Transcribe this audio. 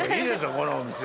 このお店。